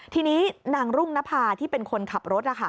ทีนี้นางรุ่งนภาที่เป็นคนขับรถ